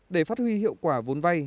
để phát huy hiệu quả vốn vay